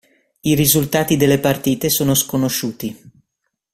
I risultati delle partite sono sconosciuti.